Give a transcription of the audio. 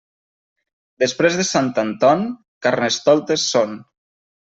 Després de Sant Anton, Carnestoltes són.